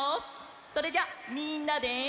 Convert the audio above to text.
それじゃみんなで。